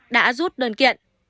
đã rút đơn kiện